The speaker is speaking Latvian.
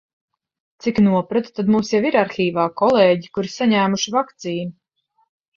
Cik nopratu, tad mums jau ir arhīvā kolēģi, kuri saņēmuši vakcīnu.